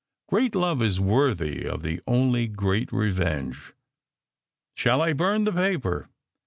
Great love is worthy of the only great revenge. Shall I burn the paper?